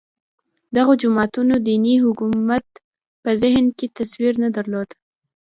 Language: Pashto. دغو جماعتونو دیني حکومت په ذهن کې تصور نه درلود